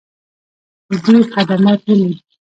دوی خدمات ویني؟